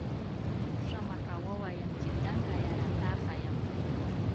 چپ سمه که ووایم چي دنګه یاره تا ښایم؟